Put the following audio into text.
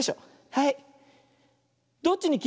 はい。